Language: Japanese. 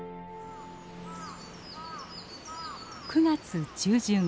９月中旬。